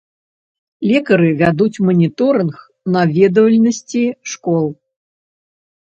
Лекары вядуць маніторынг наведвальнасці школ.